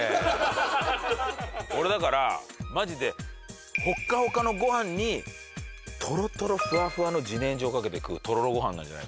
俺だからマジでほっかほかのご飯にとろとろふわふわの自然薯をかけて食うとろろご飯なんじゃない？